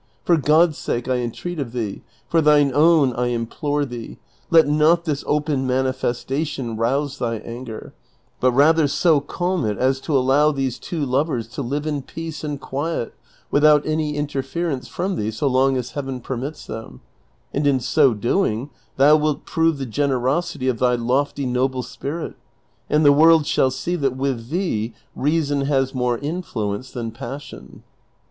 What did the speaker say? For God's sake I entreat of thee, for thine own I implore thee, let not this open manifestation rouse thy anger ; but rather so calm it as to allow these two lovers to live in peace and quiet without any interference from thee so long as Heaven permits them ; and in so doing thou wilt prove the generosity of thy lofty noble spirit, and the world shall see that with thee reason has more influence than passion."